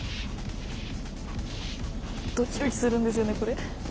ドキドキするんですよねこれ。